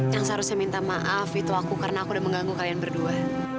yang seharusnya minta maaf itu aku karena aku udah mengganggu kalian berdua